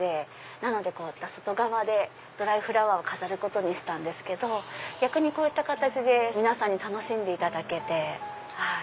なので外側でドライフラワーを飾ることにしたんですけど逆にこういった形で皆さんに楽しんでいただけて。